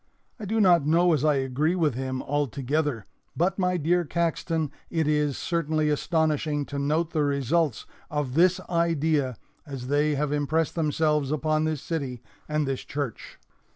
I do not know as I agree with him, altogether; but, my dear Caxton, it is certainly astonishing to note the results of this idea as they have impressed themselves upon this city and this church.